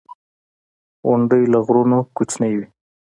• غونډۍ له غرونو کوچنۍ وي.